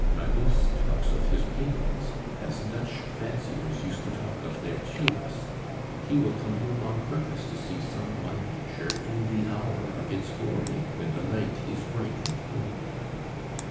Magus talks of his paintings as Dutch fanciers used to talk of their tulips; he will come home on purpose to see some one picture in the hour of its glory, when the light is bright and clean.